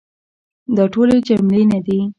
دا ټولي جملې نه دي .